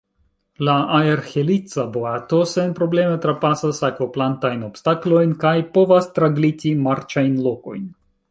La aerhelica boato senprobleme trapasas akvoplantajn obstaklojn kaj povas tragliti marĉajn lokojn.